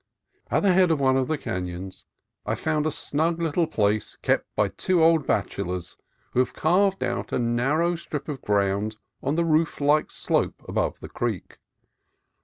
At the head of one of the canons I found a snug little place kept by two old bachelors who have carved out a narrow strip of ground on the roof like slope above the creek.